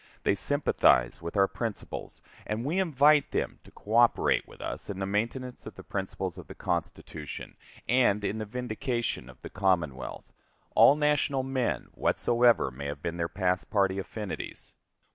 They sympathize with our principles, and we invite them to coöperate with us in the maintenance of the principles of the Constitution and in the vindication of the Commonwealth all national men, whatsoever may have been their past party affinities.